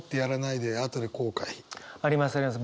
ありますあります。